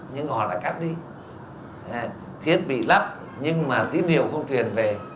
nhưng họ lại cắt đi thiết bị lắc nhưng mà tiếp điều không truyền về